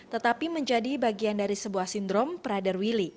tetapi menjadi bagian dari sebuah sindrom prader willy